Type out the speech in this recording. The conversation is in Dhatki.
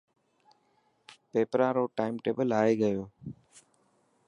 پيپران رو ٽائم ٽيبل آي گيو.